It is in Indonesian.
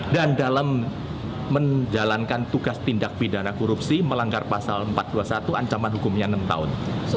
dan dalam menjalankan tugas tindak pidana korupsi melanggar pasal empat ratus dua puluh satu ancaman hukumnya enam tahun